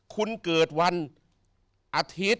คุณเกิดวันอาทิตย์